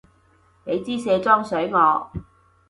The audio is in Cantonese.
畀枝卸妝水我